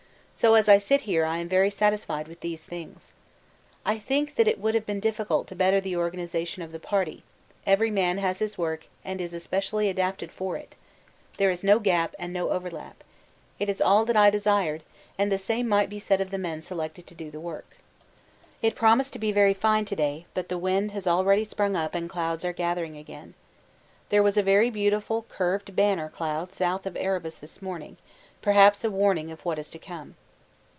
So as I sit here I am very satisfied with these things. I think that it would have been difficult to better the organisation of the party every man has his work and is especially adapted for it; there is no gap and no overlap it is all that I desired, and the same might be said of the men selected to do the work.' It promised to be very fine to day, but the wind has already sprung up and clouds are gathering again. There was a very beautiful curved 'banner' cloud south of Erebus this morning, perhaps a warning of what is to come.